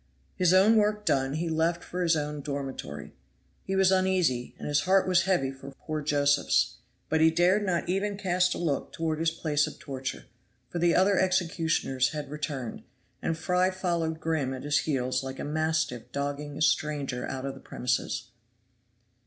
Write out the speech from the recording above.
His own work done, he left for his own dormitory. He was uneasy, and his heart was heavy for poor Josephs; but he dared not even cast a look toward his place of torture, for the other executioners had returned, and Fry followed grim at his heels like a mastiff dogging a stranger out of the premises.